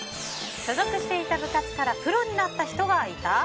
所属していた部活からプロになった人がいた？